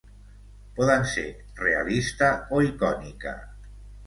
Poden ser realista o icònica.